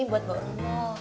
ini buat bau rono lagi sampean